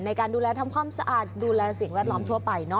ในการดูแลทำความสะอาดดูแลสิ่งแวดล้อมทั่วไป